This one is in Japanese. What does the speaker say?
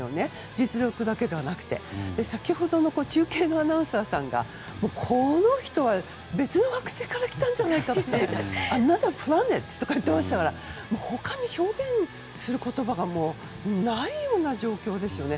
実力だけではなくて、先ほどの中継のアナウンサーさんがこの人は、別の惑星から来たんじゃないかってアナザープラネットと言ってましたから他に表現する言葉がないような状況ですよね。